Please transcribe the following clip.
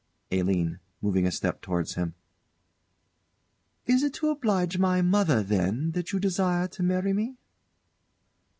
ALINE. [Moving a step towards him.] Is it to oblige my mother, then, that you desire to marry me?